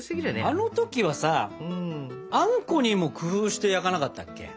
あの時はさあんこにも工夫して焼かなかったっけ？